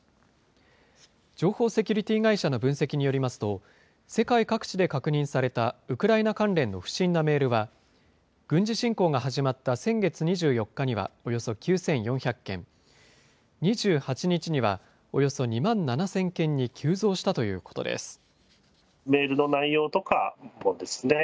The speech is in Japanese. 情報セキュリティー会社の分析によりますと、世界各地で確認されたウクライナ関連の不審なメールは、軍事侵攻が始まった先月２４日にはおよそ９４００件、２８日にはおよそ２万７０００件に急増したということです。